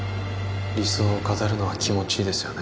理想を語るのは気持ちいいですよね